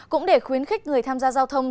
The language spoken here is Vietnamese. cũng để khuyến khích người tham gia giao thông